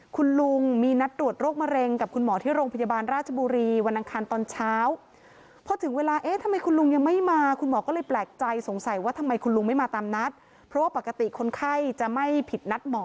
คุณลุงมีนัดตรวจโรคมะเร็งกับคุณหมอที่โรงพยาบาลราชบุรีวันอังคารตอนเช้า